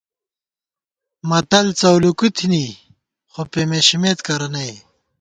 متل څَؤلُوکی تھنی، خو پېمېشِمېت کرہ نئ